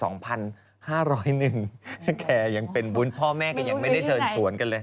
แกยังเป็นวุ้นพ่อแม่ก็ยังไม่ได้เดินสวนกันเลย